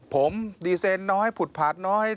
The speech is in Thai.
ผมดีเซนน้อยผุดผาดน้อย